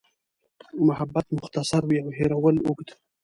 محبت مختصر وي او هېرول اوږد.